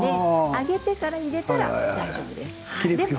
揚げてから入れたら大丈夫です。